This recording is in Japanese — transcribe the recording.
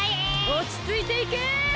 おちついていけ！